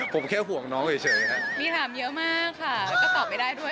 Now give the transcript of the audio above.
ผมแค่ห่วงน้องเฉยครับมีถามเยอะมากค่ะแล้วก็ตอบไม่ได้ด้วย